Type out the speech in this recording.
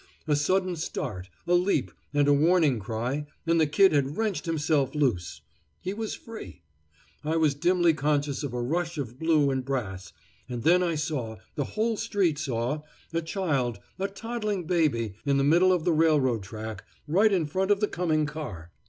A sudden start, a leap, and a warning cry, and the Kid had wrenched himself loose. He was free. I was dimly conscious of a rush of blue and brass; and then I saw the whole street saw a child, a toddling baby, in the middle of the railroad track, right in front of the coming car.